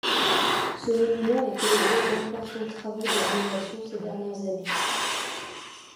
Ce monument a été l'objet d'importants travaux de rénovation ces dernières années.